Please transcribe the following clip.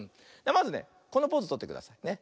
まずねこのポーズとってくださいね。